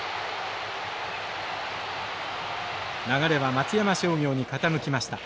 流れは松山商業に傾きました。